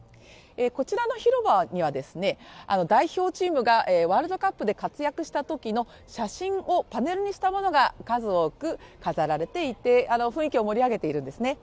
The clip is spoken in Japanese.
こちらの広場には代表チームがワールドカップで活躍したときの写真をパネルにしたものが数多く飾られていて雰囲気を盛り上げているんですね。